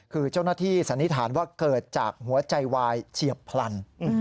คือเจ้าหน้าที่สันนิษฐานว่าเกิดจากหัวใจวายเฉียบพลัน